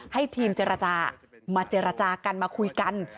ให้ทีมเจรจามาเจรจากันมาคุยกัน